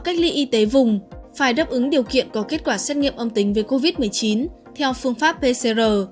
y tế vùng phải đáp ứng điều kiện có kết quả xét nghiệm âm tính về covid một mươi chín theo phương pháp pcr